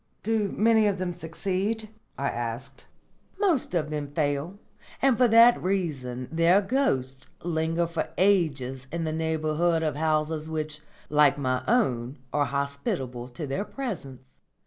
"Do many of them succeed?" I asked. "Most of them fail; and for that reason their ghosts linger for ages in the neighbourhood of houses which, like my own, are hospitable to their presence.